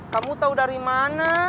kamu tau dari mana